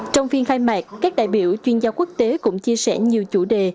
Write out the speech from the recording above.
trong phiên khai mạc các đại biểu chuyên gia quốc tế cũng chia sẻ nhiều chủ đề